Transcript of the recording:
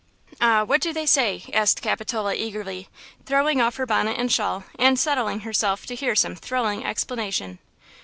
"Ah! what do they say?" asked Capitola, eagerly, throwing off her bonnet and shawl and settling herself to hear some thrilling explanation.